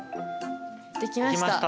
できました。